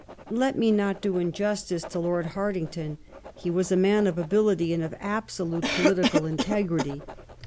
Let me not do injustice to Lord Hartington. He was a man of ability and of abso lute political integrity.